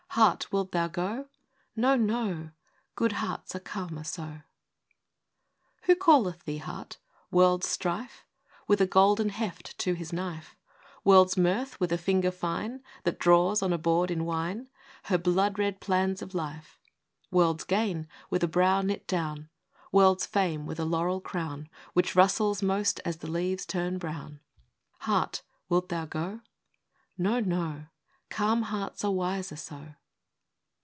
Heart, wilt thou go ?—" No, no ! Good hearts are calmer so." iii. Who calleth thee, Heart? World's Strife, With a golden heft to his knife; World's Mirth, with a finger fine That draws on a board in wine, Her blood red plans of life; World's Gain, with a brow knit down; CALLS OF THE HEART. 45 World's Fame, with a laurel crown, Which rustles most as the leaves turn brown,— Heart, wilt thou go ?—" No, no ! Calm hearts are wiser so."